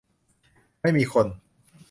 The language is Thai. ไม่มีคน